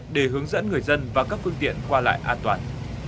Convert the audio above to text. để hướng dẫn người dân và các phương tiện qua lại an toàn